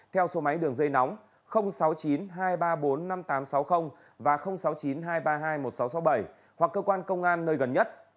theo số máy đường dây nóng sáu mươi chín hai trăm ba mươi bốn năm nghìn tám trăm sáu mươi và sáu mươi chín hai trăm ba mươi hai một nghìn sáu trăm sáu mươi bảy hoặc cơ quan công an nơi gần nhất